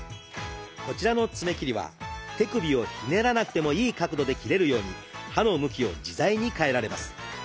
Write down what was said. こちらの爪切りは手首をひねらなくてもいい角度で切れるように刃の向きを自在に変えられます。